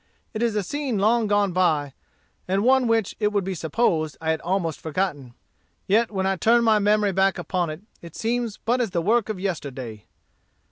It is a scene long gone by, and one which it would be supposed I had almost forgotten. Yet when I turn my memory back upon it, it seems but as the work of yesterday.